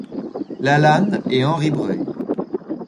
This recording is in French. Lalanne et Henri Breuil.